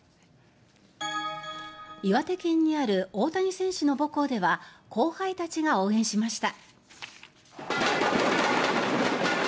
岩手県にある大谷選手の母校では後輩たちが応援しました。